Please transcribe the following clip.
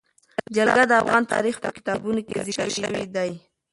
جلګه د افغان تاریخ په کتابونو کې ذکر شوی دي.